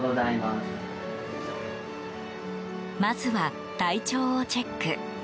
まずは体調をチェック。